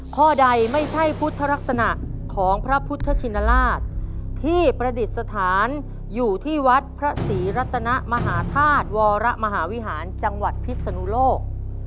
ข้อใดไม่ใช่พุทธลักษณะของพระพุทธชินราชที่ประดิษฐานอยู่ที่วัดพระศรีรัตนมหาธาตุวรมหาวิหารจังหวัดพิศนุโลก